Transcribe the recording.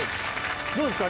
どうですか？